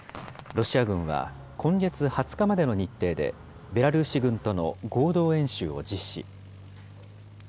ロシア軍は、今月２０日までの日程で、ベラルーシ軍との合同演習を実施。